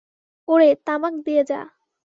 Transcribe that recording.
ওরে, তামাক দিয়ে যা।